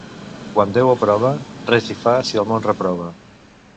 Quan Déu aprova, res hi fa si el món reprova.